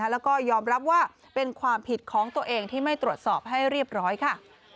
แล้วก็ยอมรับว่าเป็นความผิดของตัวเองที่ไม่ตรวจสอบให้เรียบร้อยค่ะ